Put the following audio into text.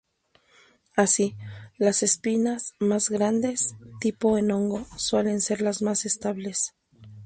Así, las espinas mas grandes, tipo en hongo, suelen ser las más estables.